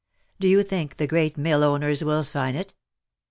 Do you think the great mill owners will sign it?